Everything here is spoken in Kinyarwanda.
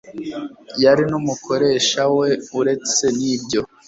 Yari n'umukoresha we uretse nibyo